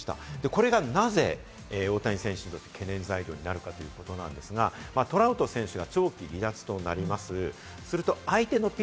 これがなぜ大谷選手の懸念材料になるかということなんですが、トラウト選手が長期離脱となります。